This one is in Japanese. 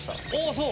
そう。